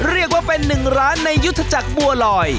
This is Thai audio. เรียกว่าเป็นหนึ่งร้านในยุทธจักรบัวลอย